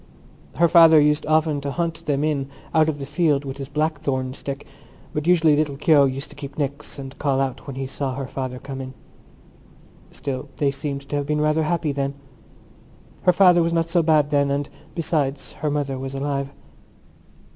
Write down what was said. Her father used often to hunt them in out of the field with his blackthorn stick; but usually little Keogh used to keep nix and call out when he saw her father coming. Still they seemed to have been rather happy then. Her father was not so bad then; and besides, her mother was alive.